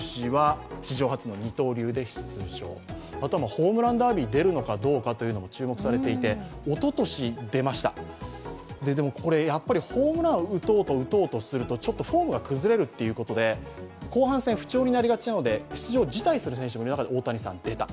ホームランダービー出るかどうかというのが注目されていて、おととし出ましたホームランを打とうとするとフォームが崩れるということで後半戦、不調になりがちなので出場を辞退する選手もいる中で大谷さん、出た。